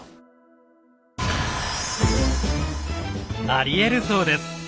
ありえるそうです。